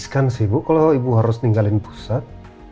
kalau ibu harus ninggalin pusat